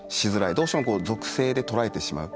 どうしても属性で捉えてしまう。